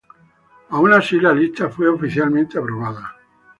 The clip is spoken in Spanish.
Aun así, la lista fue oficialmente aprobada.